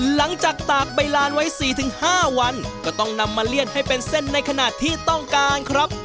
ตากใบลานไว้๔๕วันก็ต้องนำมาเลี่ยนให้เป็นเส้นในขณะที่ต้องการครับ